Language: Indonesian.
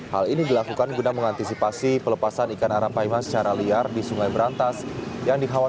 hal ini dilakukan guna mengantisipasi pelepasan ikan arapaima secara liar di sungai berantas